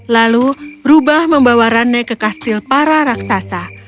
lalu rubah membawa rane ke kastil para raksasa